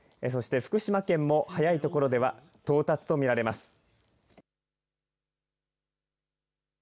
そして福島県も早い所では到達とみられます。